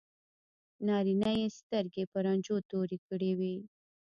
نارینه یې سترګې په رنجو تورې کړې وي.